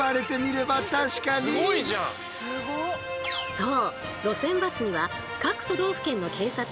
そう！